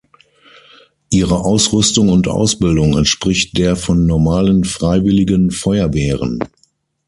Ihre Ausrüstung und Ausbildung entspricht der von normalen Freiwilligen Feuerwehren.